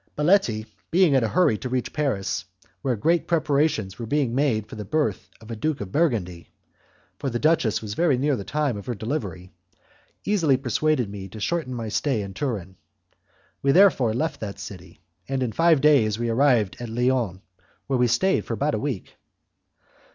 Baletti, being in a hurry to reach Paris, where great preparations were being made for the birth of a Duke of Burgundy for the duchess was near the time of her delivery easily persuaded me to shorten my stay in Turin. We therefore left that city, and in five days we arrived at Lyons, where I stayed about a week.